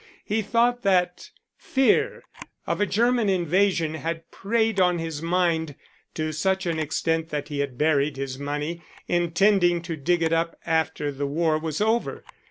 He thought that fear of a German invasion had preyed on his mind to such an extent that he had buried his money, intending to dig it up after the war was over.